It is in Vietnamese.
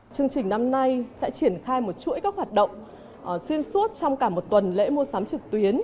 chương trình năm nay sẽ triển khai một chuỗi các hoạt động xuyên suốt trong cả một tuần lễ mua sắm trực tuyến